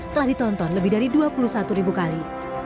telah ditonton lebih dari dua puluh satu ribu kali